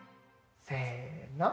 せの。